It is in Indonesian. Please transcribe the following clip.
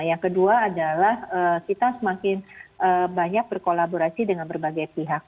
yang kedua adalah kita semakin banyak berkolaborasi dengan berbagai pihak